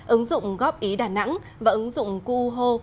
ứng dụng góp ý đà nẵng và ứng dụng qh